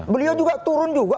beliau juga turun juga